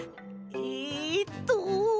えっと。